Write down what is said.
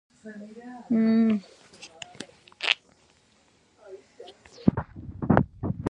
په لغت کي کلک تړلو ته وايي .